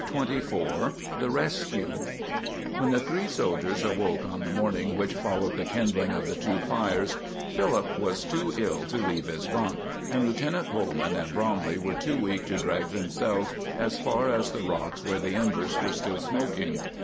CHAPTER XXIV THE RESCUE When the three soldiers awoke on the morning which followed the kindling of the two fires, Philip was too ill to leave his bunk, and Lieutenant Coleman and Bromley were too weak to drag themselves as far as the rocks where the embers were still smoking.